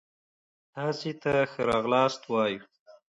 تاسي ته ښه را غلاست وايو